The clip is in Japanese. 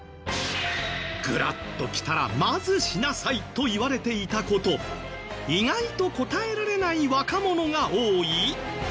グラッときたらまずしなさいと言われていた事意外と答えられない若者が多い？